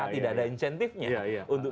tidak ada insentifnya untuk